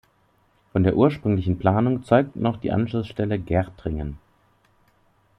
Von der ursprünglichen Planung zeugt noch die Anschlussstelle Gärtringen.